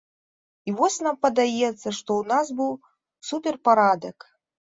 І вось нам падаецца, што ў нас быў суперпарадак.